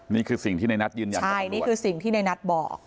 นี่คือสิ่งที่ในนัทยืนยันใช่นี่คือสิ่งที่ในนัทบอก